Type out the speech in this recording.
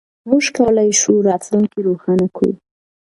موږ کولای شو راتلونکی روښانه کړو.